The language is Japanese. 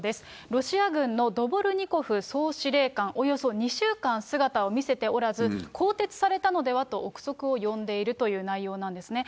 ロシア軍のドボルニコフ総司令官、およそ２週間、姿を見せておらず、更迭されたのではと臆測を呼んでいるという内容なんですね。